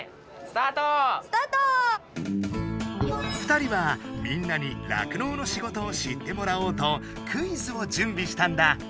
２人はみんなに酪農の仕事を知ってもらおうとクイズをじゅんびしたんだ！